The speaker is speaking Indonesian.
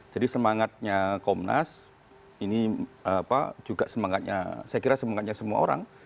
jadi semangatnya komnas ini juga semangatnya saya kira semangatnya semua orang